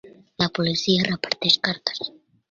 La policia reparteix cartes.